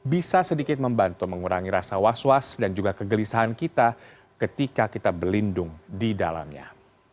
bisa sedikit membantu mengurangi rasa was was dan juga kegelisahan kita ketika kita berlindung di dalamnya